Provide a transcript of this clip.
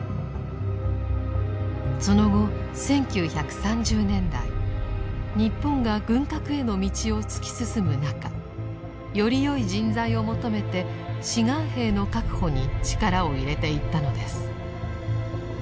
その後１９３０年代日本が軍拡への道を突き進む中よりよい人材を求めて「志願兵」の確保に力を入れていったのです。